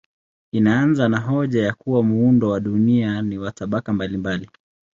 Inaanza na hoja ya kuwa muundo wa dunia ni wa tabaka mbalimbali.